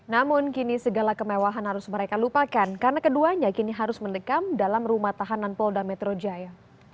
namun kini segala kemewahan harus mereka lupakan karena keduanya kini harus mendekam dalam rumah tahanan polda metro jaya